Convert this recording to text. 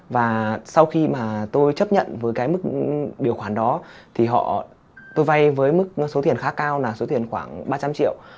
và sau khi mà tôi chấp nhận với cái mức điều khoản đó thì tôi vay với mức số tiền khá cao là số tiền khoảng ba trăm linh triệu